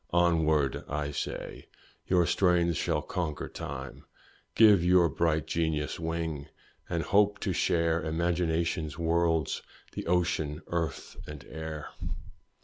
Onward! I say your strains shall conquer time; Give your bright genius wing, and hope to share Imagination's worlds the ocean, earth, and air.